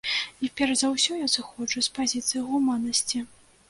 І перш за ўсё, я зыходжу з пазіцыі гуманнасці.